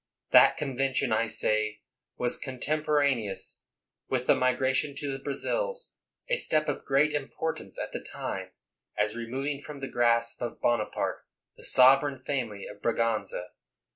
That convention, I say, was contemporaneous with the migration to the Bra zils — a step of great importance at the time, as removing from the grasp of Bonaparte the sov ereign family of Braganza.